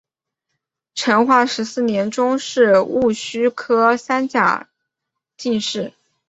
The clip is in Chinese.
成化十四年中式戊戌科三甲进士。